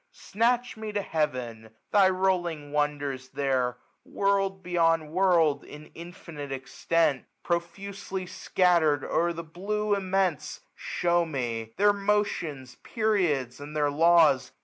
Snatch me to heaven ; thy rolling wonders ttiercji World beyond world, in infinite extent. Profusely scattered o'er the blue immense,. Shew me ; ijieir motions, periods, and their law^.